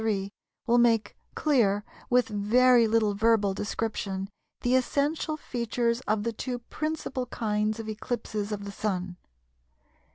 3 will make clear, with very little verbal description, the essential features of the two principal kinds of eclipses of the Sun.